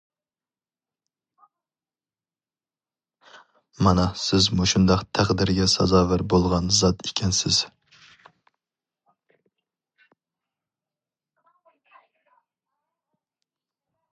مانا سىز مۇشۇنداق تەقدىرگە سازاۋەر بولغان زات ئىكەنسىز!